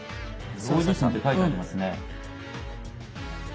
「大地震」って書いてありますね。